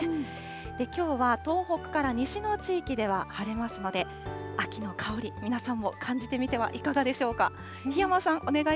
きょうは東北から西の地域では晴れますので、秋の香り、皆さんも感じてみてはいかがでしょうか。